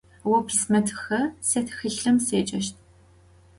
Vo pisme txı, se txılhım sêceşt.